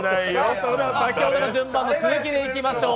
それでは先ほどの順番の続きでいきましょう。